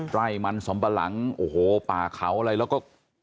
ไร่มันสำปะหลังโอ้โหป่าเขาอะไรแล้วก็